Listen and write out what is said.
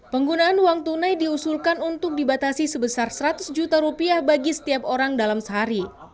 penggunaan uang tunai diusulkan untuk dibatasi sebesar seratus juta rupiah bagi setiap orang dalam sehari